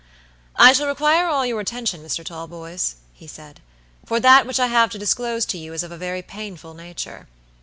"I shall require all your attention, Mr. Talboys," he said, "for that which I have to disclose to you is of a very painful nature.